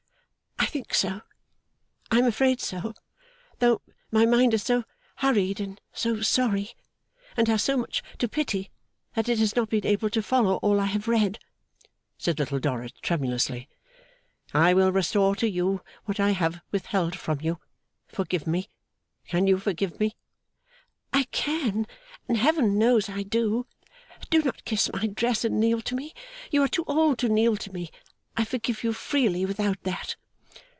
'I think so. I am afraid so; though my mind is so hurried, and so sorry, and has so much to pity that it has not been able to follow all I have read,' said Little Dorrit tremulously. 'I will restore to you what I have withheld from you. Forgive me. Can you forgive me?' 'I can, and Heaven knows I do! Do not kiss my dress and kneel to me; you are too old to kneel to me; I forgive you freely without that.